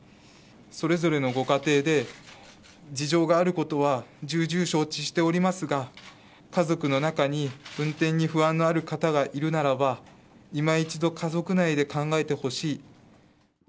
それぞれのご家庭で、事情があることは重々承知しておりますが、家族の中に運転に不安のある方がいるならば、いま一度、家族内で考えてほしい。